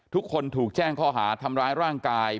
ทุกคนถูกแจ้งข้อหาทำร้ายร่างกาย